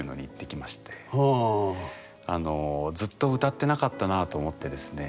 ずっと歌ってなかったなあと思ってですね